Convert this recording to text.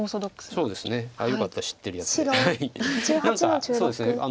何かそうですね